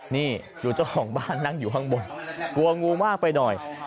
นี่ดูเจ้าของบ้านนั่งอยู่ข้างบนกลัวงูมากไปหน่อย